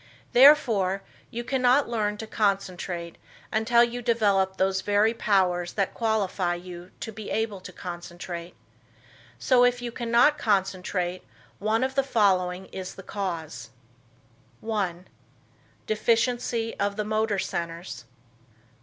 Therefore you cannot learn to concentrate until you develop those very powers that qualify you to be able to concentrate. So if you cannot concentrate one of the following is the cause: 1. "Deficiency of the motor centers."